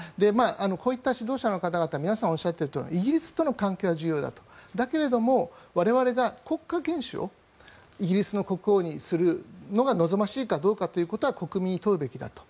こういった指導者の方々皆さんおっしゃっているようにイギリスとの関係は重要だとだけど、我々が国家元首をイギリスの国王にするのが望ましいかどうかというのは国民に問うべきだと。